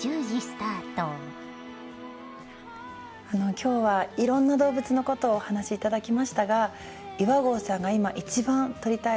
今日はいろんな動物のことをお話しいただきましたが岩合さんが今一番撮りたい動物って何ですか？